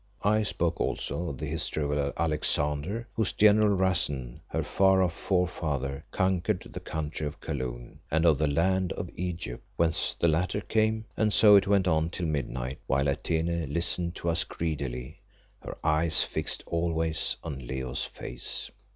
I spoke also of the history of Alexander, whose general Rassen, her far off forefather, conquered the country of Kaloon, and of the land of Egypt, whence the latter came, and so it went on till midnight, while Atene listened to us greedily, her eyes fixed always on Leo's face.